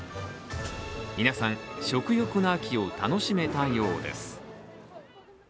皆さん食欲の秋を楽しめたようです。